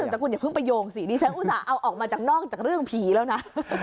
แต่คุณอย่าเพิ่งไปโยงสิดิฉันอุตส่าห์เอาออกมาจากนอกจากเรื่องผีแล้วนะ